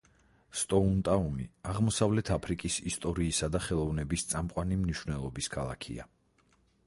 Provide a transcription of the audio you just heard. სტოუნ-ტაუნი აღმოსავლეთ აფრიკის ისტორიისა და ხელოვნების წამყვანი მნიშვნელობის ქალაქია.